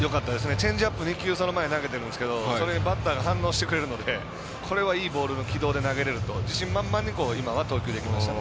チェンジアップその前２球投げてるんですがそれにバッターが反応してくれるのでこれはいい軌道のボールで投げれると自信満々に今は投球できましたね。